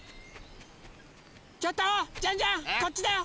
ちょっとジャンジャンこっちだよ！